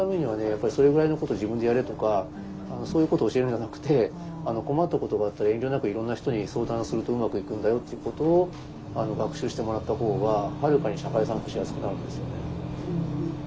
やっぱり「それぐらいのこと自分でやれ」とかそういうことを教えるんじゃなくて「困ったことがあったら遠慮なくいろんな人に相談するとうまくいくんだよ」っていうことを学習してもらった方がはるかに社会参加しやすくなるんですよね。